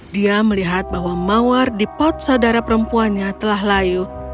dia melihat bahwa mawar di pot saudara perempuannya telah layu